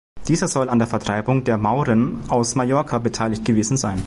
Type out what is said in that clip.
Dieser soll an der Vertreibung der Mauren aus Mallorca beteiligt gewesen sein.